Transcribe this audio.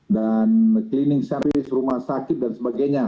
dan cleaning service rumah sakit dan sebagainya